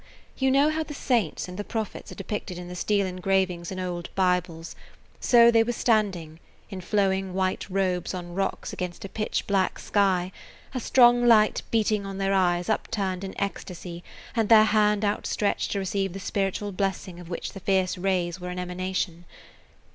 You know how the saints and the prophets are depicted in the steel engravings in old Bibles; so they were standing, in flowing white robes on rocks against a pitch black sky, a strong light beating on their eyes upturned in ecstasy and their hand outstretched to receive the spiritual blessing of which the fierce rays were an emanation.